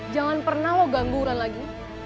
jangan pernah lo ganggu ulan lagi